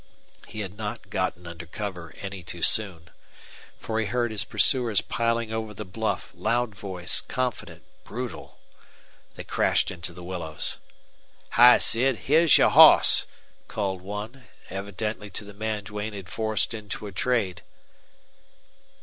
He had not gotten under cover any too soon. For he heard his pursuers piling over the bluff, loud voiced, confident, brutal. They crashed into the willows. "Hi, Sid! Heah's your hoss!" called one, evidently to the man Duane had forced into a trade.